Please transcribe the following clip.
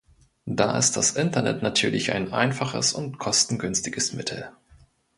Da ist das Internet natürlich ein einfaches und kostengünstiges Mittel.